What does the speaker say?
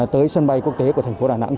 tới sân bay quốc tế của thành phố đà nẵng